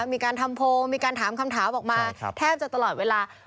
มีการทำโพลมีการถามคำถามออกมาแทบจะตลอดเวลา